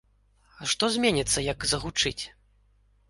Што зменіцца, як загучыць?